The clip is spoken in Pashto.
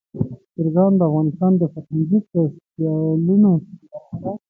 چرګان د افغانستان د فرهنګي فستیوالونو برخه ده.